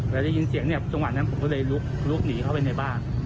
แล้วได้ยินเสียงเนี่ยจังหวะนั้นผมก็เลยลุกหนีเข้าไปในบ้าน